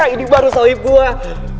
ini baru sawi buah